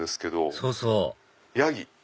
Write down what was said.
そうそうヤギ。